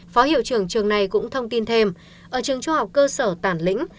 phó hiệu trưởng trường này cũng thông tin thêm ở trường trung học cơ sở tản lĩnh